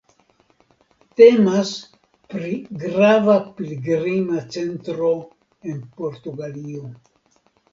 Temas pri grava pligrima centro en Portugalio.